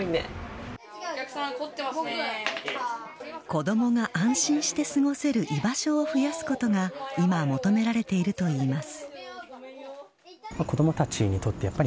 子供が安心して過ごせる居場所を増やすことが今、求められているといいます。